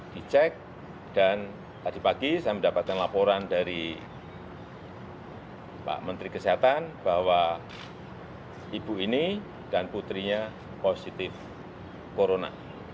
dicek dan tadi pagi saya mendapatkan laporan dari pak menteri kesehatan bahwa ibu ini dan putrinya positif corona